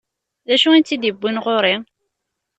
D acu i tt-id-iwwin ɣur-i?